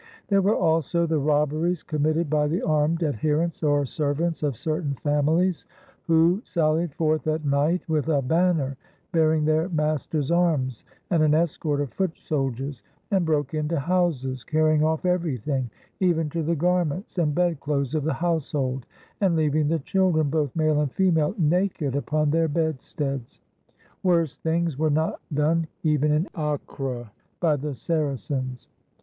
There were also the robberies committed by the armed adherents or servants of certain families, who sallied forth at night with a banner bearing their mas ter's arms and an escort of foot soldiers, and broke into houses, carrying off everything, even to the garments and bedclothes of the household and "leaving the children, both male and female, naked upon their bedsteads; worse things were not done even in Acre by the Sara cens."